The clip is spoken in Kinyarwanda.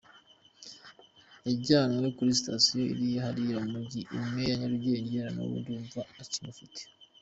Yajyanwe kuri station iri hariya mu Mujyi, imwe ya Nyarugenge, n’ubu ndumva bakimufite.